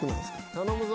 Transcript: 頼むぞ。